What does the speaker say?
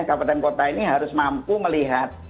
kabupaten kota ini harus mampu melihat